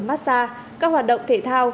massage các hoạt động thể thao